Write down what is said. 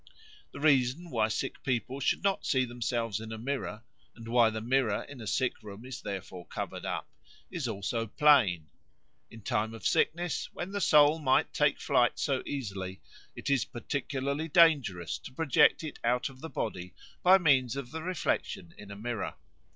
The reason why sick people should not see themselves in a mirror, and why the mirror in a sick room is therefore covered up, is also plain; in time of sickness, when the soul might take flight so easily, it is particularly dangerous to project it out of the body by means of the reflection in a mirror.